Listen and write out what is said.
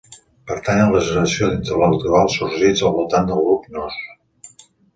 Pertany a la generació d'intel·lectuals sorgits al voltant del grup Nós.